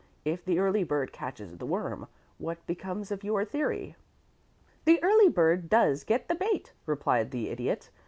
If the early bird catches the worm, what becomes of your theory?" "The early bird does get the bait," replied the Idiot.